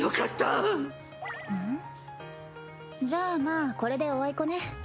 じゃあまあこれでおあいこね。